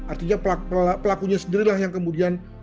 artinya pelakunya sendirilah yang kemudian